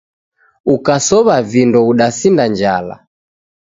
Ukasowa vindo udasinda njala